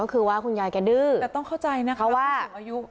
ความจำเลอะเลือนเหมือนเด็กแล้วก็ยืนยันว่าตัวเองไม่ได้ทุบตียายเพราะว่ายายดื้อจริง